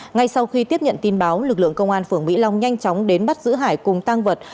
ngay sau khi tiếp nhận tin báo lực lượng công an phường mỹ long nhanh chóng đến bắt giữ hải cùng tăng vật